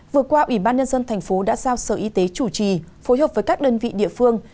vừa qua ủy ban nhân dân thành phố đã giao sở y tế chủ trì phối hợp với các đơn vị địa phương